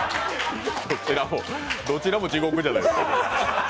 どちらも地獄じゃないですか。